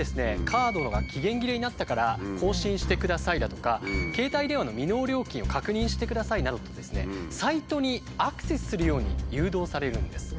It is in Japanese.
カードが期限切れになったから更新してくださいだとか携帯電話の未納料金を確認してくださいなどとサイトにアクセスするように誘導されるんです。